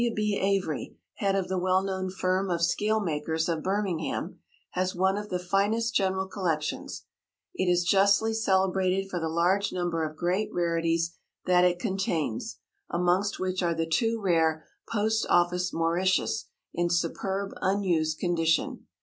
W. B. Avery, head of the well known firm of scale makers of Birmingham, has one of the finest general collections. It is justly celebrated for the large number of great rarities that it contains, amongst which are the two rare "Post Office" Mauritius in superb unused condition.